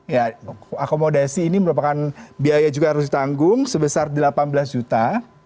ya akomodasi ini merupakan biaya juga harus ditanggung sebesar delapan belas juta